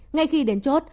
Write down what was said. ngay khi đến chốt